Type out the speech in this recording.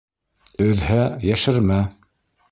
Өҙһә, йәшермә!